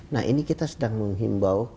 nah ini kita sedang menghimbau